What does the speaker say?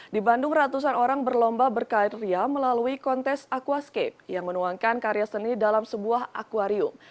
di bandung ratusan orang berlomba berkarya melalui kontes aquascape yang menuangkan karya seni dalam sebuah akwarium